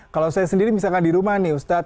kalau saya sendiri misalkan di rumah nih ustadz